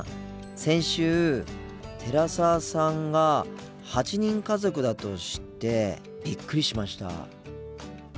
先週寺澤さんが８人家族だと知ってびっくりしました。